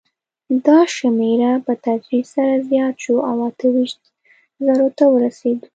دا شمېر په تدریج سره زیات شو او اته ویشت زرو ته ورسېد.